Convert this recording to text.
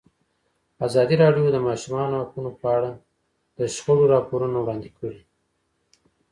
ازادي راډیو د د ماشومانو حقونه په اړه د شخړو راپورونه وړاندې کړي.